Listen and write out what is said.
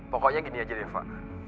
pokoknya gini aja deh eva